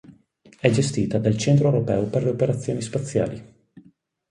È gestita dal Centro europeo per le operazioni spaziali.